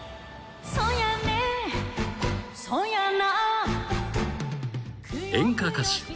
「そやねそやな」